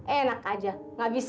enak aja enggak bisa